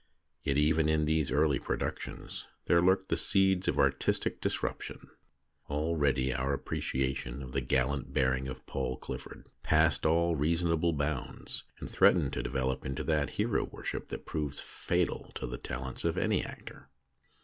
Yet even in these early produc tions there lurked the seeds of artistic dis ruption. Already our appreciation of the gallant bearing of Paul Clifford passed all reasonable bounds, and threatened to develop into that hero worship that proves fatal to the talents of any actor.